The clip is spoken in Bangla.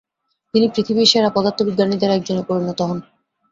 তিনি পৃথিবীর সেরা পদার্থবিজ্ঞানীদের একজনে পরিণত হন।